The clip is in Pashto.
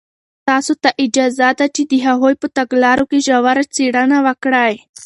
تاسو ته اجازه ده چې د هغوی په تګلارو کې ژوره څېړنه وکړئ.